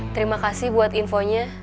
terima kasih buat infonya